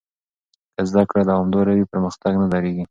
که زده کړه دوامداره وي، پرمختګ نه درېږي.